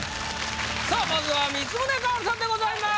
まずは光宗薫さんでございます。